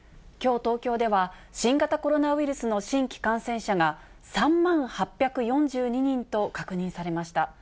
きょう、東京では新型コロナウイルスの新規感染者が、３万８４２人と確認されました。